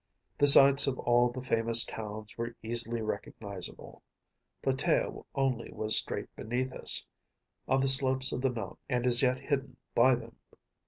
The sites of all the famous towns were easily recognizable. Platæa only was straight beneath us, on the slopes of the mountain, and as yet hidden by them.